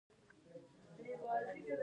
ایا ستاسو نشتون احساسیږي؟